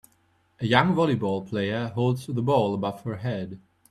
A young volleyball player holds the ball above her head.